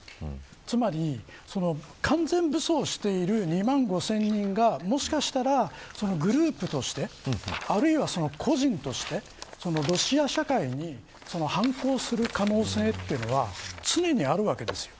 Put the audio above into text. つまり、完全武装している２万５０００人がもしかしたら、グループとしてあるいは、その個人としてロシア社会に反抗する可能性というのは常にあるわけです。